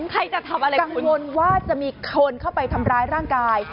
ใครจะทำอะไรกังวลว่าจะมีคนเข้าไปทำร้ายร่างกาย